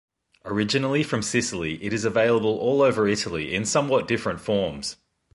Originally from Sicily, it is available all over Italy in somewhat different forms.